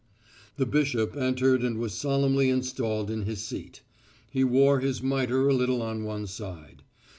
The bishop entered and was solemnly installed in his seat. He wore his mitre a little on one side.